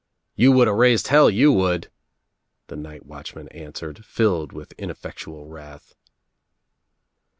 "You would a raised hell, you would," the night watchman answered, filled with ineffectual wrath.